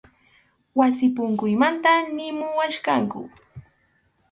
Wasi punkullamanta nimuwachkanku.